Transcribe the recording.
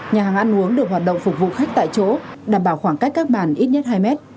nhà hàng ăn uống được hoạt động phục vụ khách tại chỗ đảm bảo khoảng cách các bàn ít nhất hai mét